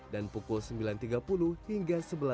dan pukul sembilan tiga puluh hingga sebelas tiga puluh